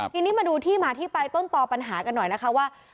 ทีนี้มาดูที่มาที่ไปต้นต่อปัญหากันหน่อยนะคะว่า